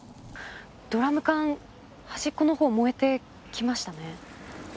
ドラム缶、端っこのほう燃えてきましたね。